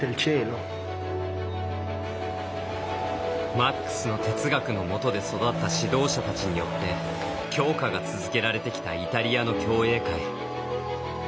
マックスの哲学のもとで育った指導者たちによって強化が続けられてきたイタリアの競泳界。